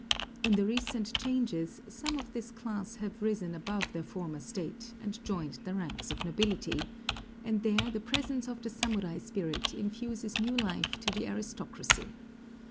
In the recent changes, some of this class have risen above their former state and joined the ranks of the nobility; and there the presence of the samurai spirit infuses new life into the aristocracy.